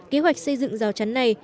kế hoạch xây dựng rào chắn này